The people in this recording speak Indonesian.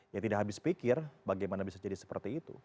ya tidak habis pikir bagaimana bisa jadi seperti itu